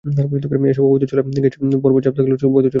এসব অবৈধ চুলায় গ্যাসের ভরপুর চাপ থাকলেও বৈধ চুলায় চলছে গ্যাস-সংকট।